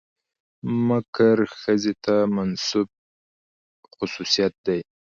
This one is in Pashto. مکر ښځې ته منسوب خصوصيت دى.